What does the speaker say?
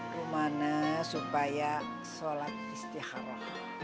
rumah nanya supaya sholat istiqalah